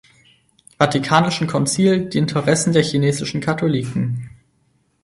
Vatikanischen Konzil die Interessen der chinesischen Katholiken.